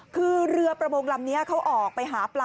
คือเรือประมงลำนี้เขาออกไปหาปลา